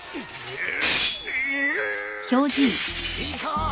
いいか！